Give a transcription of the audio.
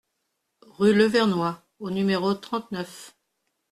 Rue Le Vernois au numéro trente-neuf